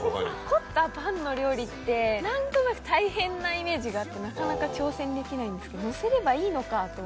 凝ったパンの料理って何となく大変なイメージがあってなかなか挑戦できないんですけどのせればいいのか！と思って。